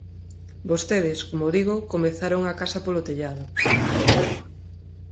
Vostedes, como digo, comezaron a casa polo tellado.